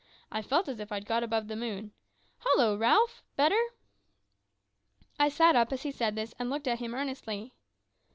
I felt as if I'd got above the moon. Hollo, Ralph! better?" I sat up as he said this, and looked at him earnestly.